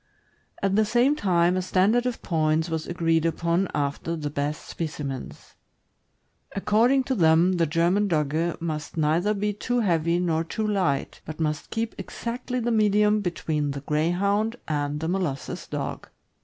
At the same time, a standard of points was agreed upon after the best specimens. According to them, the German Dogge must neither be too heavy nor too light, but must keep exactly the medium between the Greyhound and Molossus Dog.